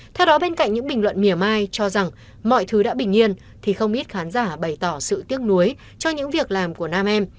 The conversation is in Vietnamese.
theo đó bên cạnh những bình luận miểu mai cho rằng mọi thứ đã bình yên thì không ít khán giả bày tỏ sự tiếc nuối cho những việc làm của nam em